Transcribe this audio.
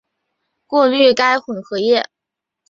过滤该混合液。